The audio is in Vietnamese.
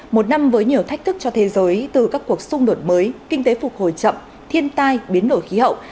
một năm với nhiều thách thức cho thế giới từ các cuộc xung đột mới kinh tế phục hồi chậm thiên tai biến đổi khí hậu